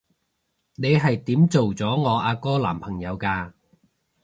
你係點做咗我阿哥男朋友㗎？